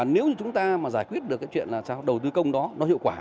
nếu như chúng ta mà giải quyết được cái chuyện là sao đầu tư công đó nó hiệu quả